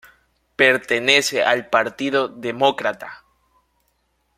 Pertenece al Partido Demócrata.